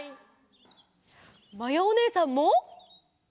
まやおねえさんも。